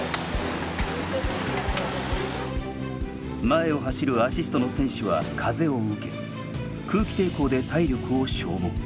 前を走るアシストの選手は風を受け空気抵抗で体力を消耗。